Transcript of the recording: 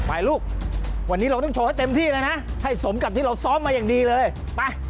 ไปลูกวันนี้เราต้องโชว์ให้เต็มที่แล้วนะให้สมกับที่เราซ้อมมาอย่างดีเลยไป